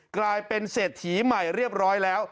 กลายเป็นเศรษฐีใหม่เรียบร้อยแล้ว